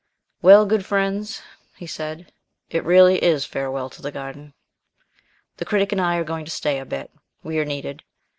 "Well, good friends," he said, "it really is farewell to the garden! The Critic and I are going to stay a bit. We are needed.